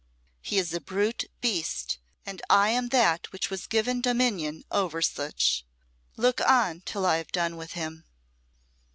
He is a brute beast, and I am that which was given dominion over such. Look on till I have done with him."